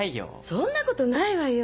そんなことないわよ